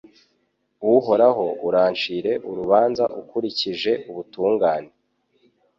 Uhoraho urancire urubanza ukurikije ubutungane